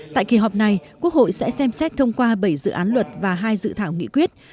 tại kỳ họp này quốc hội sẽ xem xét thông qua bảy dự án luật và hai dự thảo nghị quyết